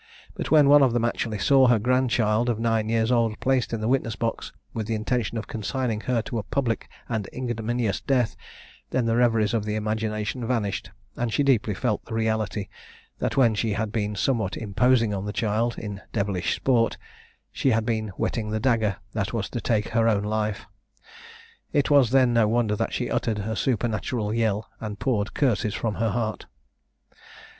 But when one of them actually saw her grandchild of nine years old placed in the witness box, with the intention of consigning her to a public and ignominious death, then the reveries of the imagination vanished, and she deeply felt the reality, that, when she had been somewhat imposing on the child, in devilish sport, she had been whetting the dagger that was to take her own life. It was then no wonder that she uttered a supernatural yell, and poured curses from her heart.